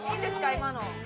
今の。